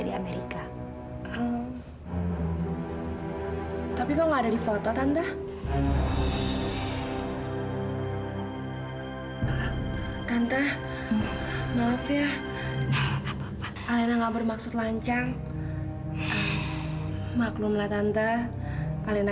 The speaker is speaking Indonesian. sampai jumpa di video selanjutnya